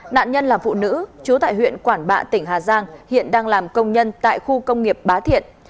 nạn nhân là phụ nữ chú tại huyện quản bạ tỉnh hà giang hiện đang làm công nhân tại khu công nghiệp bá thiện